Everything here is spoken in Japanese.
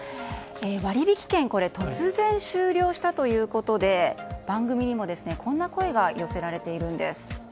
割引券突然終了したということで番組にもこんな声が寄せられているんです。